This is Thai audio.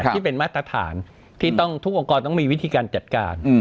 ที่เป็นมาตรฐานที่ทุกองค์กรต้องมีวิธีการจัดการ